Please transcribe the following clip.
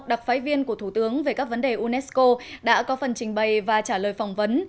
đặc phái viên của thủ tướng về các vấn đề unesco đã có phần trình bày và trả lời phỏng vấn